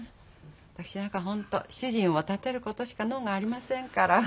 私なんか本当主人を立てることしか能がありませんから。